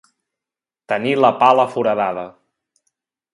Tenir la pala foradada.